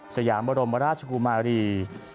สยามบรมราชกุมารี